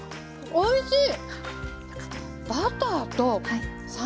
おいしい！